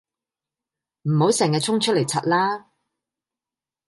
唔好成日衝出嚟柒啦